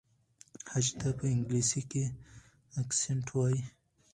خج ته په انګلیسۍ کې اکسنټ وایي.